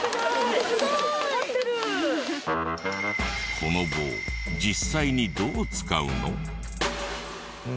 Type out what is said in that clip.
この棒実際にどう使うの？